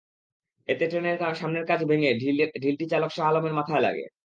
এতে ট্রেনের সামনের কাচ ভেঙে ঢিলটি চালক শাহ আলমের মাথায় লাগে।